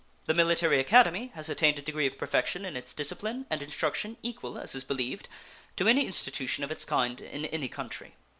The Military Academy has attained a degree of perfection in its discipline and instruction equal, as is believed, to any institution of its kind in any country.